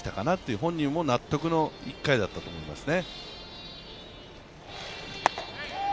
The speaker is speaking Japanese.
本人も納得の１回だったと思いますね。